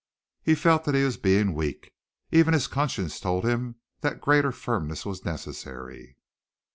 He felt that he was being weak. Even his conscience told him that greater firmness was necessary.